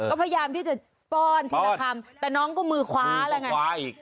ก็พยายามที่จะป้อนทีละคำแต่น้องก็มือคว้าอะไรอย่างนั้น